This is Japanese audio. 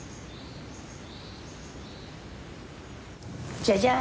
じゃじゃん！